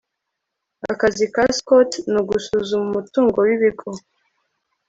akazi ka scott ni ugusuzuma umutungo wibigo